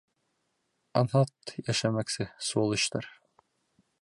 Анһат йәшәмәксе, сволочтар!